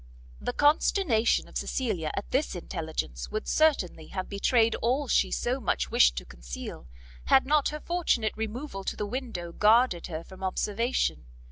The consternation of Cecilia at this intelligence would certainly have betrayed all she so much wished to conceal, had not her fortunate removal to the window guarded her from observation.